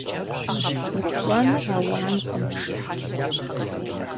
Vupş'enır auankhım.